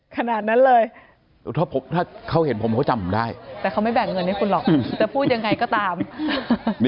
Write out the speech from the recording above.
ขนาดนั้นเลยถ้าเขาเห็นผมเขาจำผมได้แต่เขาไม่แบ่งเงินให้คุณหรอกจะพูดยังไงก็ตาม